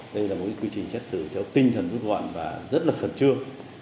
đây là một quy trình xét xử theo tinh thần rút gọn và rất là khẩn trương